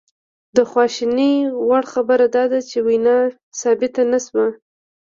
د خواشینۍ وړ خبره دا ده چې وینا ثبت نه شوه